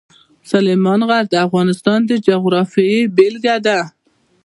سلیمان غر د افغانستان د جغرافیې بېلګه ده.